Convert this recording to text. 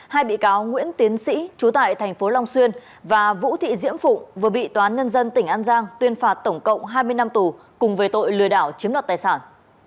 hai bị cáo nguyễn tiến sĩ chú tại thành phố long xuyên và vũ thị diễm phụng vừa bị toán nhân dân tỉnh an giang tuyên phạt tổng cộng hai mươi năm tù cùng về tội lừa đảo chiếm đoạt tài sản